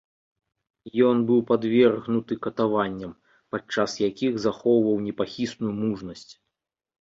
Ён быў падвергнуты катаванням, падчас якіх захоўваў непахісную мужнасць.